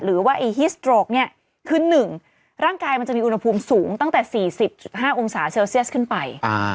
หรือว่าอีฮิสโตรกเนี่ยคือ๑ร่างกายมันจะมีอุณหภูมิสูงตั้งแต่๔๐๕องศาเซลเซียสขึ้นไป